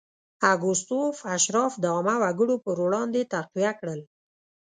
اګوستوس اشراف د عامو وګړو پر وړاندې تقویه کړل.